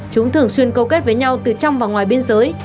chúng thường xuyên câu kết với nhau từ trong và ngoài biên giới